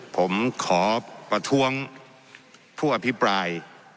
ผมขอประท้วงผู้อภิปราย